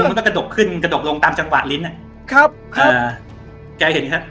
มันก็กระดกขึ้นกระดกลงตามจังหวะลิ้นอ่ะครับครับอ่าแกเห็นครับ